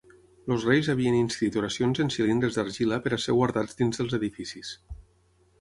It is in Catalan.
Els reis havien inscrit oracions en cilindres d'argila per a ser guardats dins dels edificis.